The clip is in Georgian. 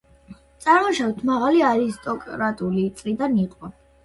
წარმოშობით მაღალი არისტოკრატული წრიდან იყო.